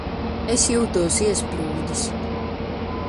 Es jūtos iesprūdis.